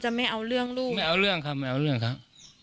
ไม่เอาเรื่องลูกไม่เอาเรื่องครับไม่เอาเรื่องครับ